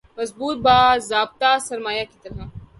مضبوط باضابطہ سرمایہ کی طرح